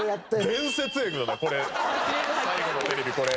伝説やけどなこれ最後のテレビこれ。